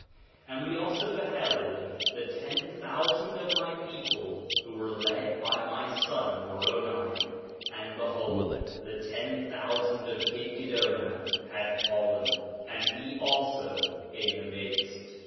6:12 And we also beheld the ten thousand of my people who were led by my son Moroni. 6:13 And behold, the ten thousand of Gidgiddonah had fallen, and he also in the midst.